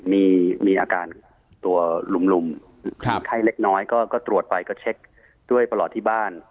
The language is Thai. มีอาการตัวลุมมีไข้เล็กน้อยก็ตรวจไปก็เช็คด้วยประหลอดที่บ้าน